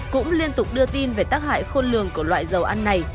cũng liên tục đưa tin về tác hại khôn lường của loại dầu ăn này